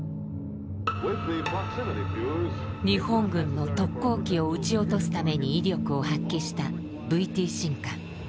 日本軍の特攻機を撃ち落とすために威力を発揮したＶＴ信管。